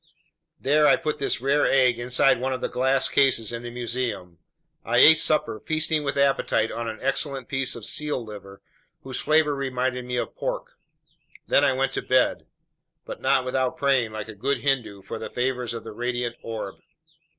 There I put this rare egg inside one of the glass cases in the museum. I ate supper, feasting with appetite on an excellent piece of seal liver whose flavor reminded me of pork. Then I went to bed; but not without praying, like a good Hindu, for the favors of the radiant orb.